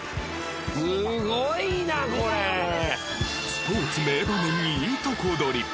スポーツ名場面いいとこ取り。